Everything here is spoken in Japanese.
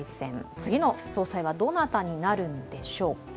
次の総裁はどなたになるんでしょうか。